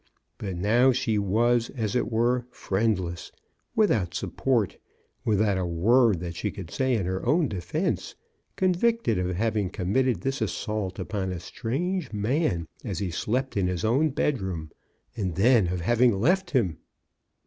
But now she was, as it were, friendless, without support, without a word that she could say in her own defence, convicted of having committed this assault upon a strange man as he slept in his own bedroom, and then of having left him